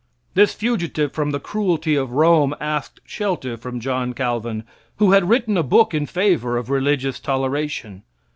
This fugitive from the cruelty of Rome asked shelter from John Calvin, who had written a book in favor of religious toleration.